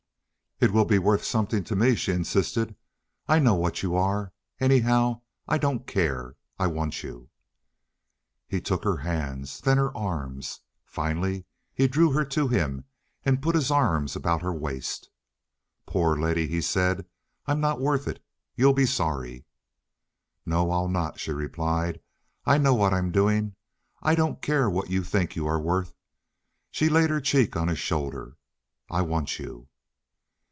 "It will be worth something to me," she insisted. "I know what you are. Anyhow, I don't care. I want you!" He took her hands, then her arms. Finally he drew her to him, and put his arms about her waist. "Poor Letty!" he said; "I'm not worth it. You'll be sorry." "No, I'll not," she replied. "I know what I'm doing. I don't care what you think you are worth." She laid her cheek on his shoulder. "I want you."